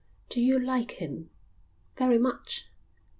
"Do you like him?" "Very much."